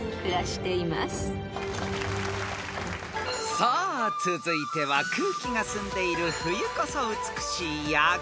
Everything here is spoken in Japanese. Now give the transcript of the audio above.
［さあ続いては空気が澄んでいる冬こそ美しい夜景から問題］